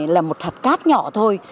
là một hạt cát nhỏ thôi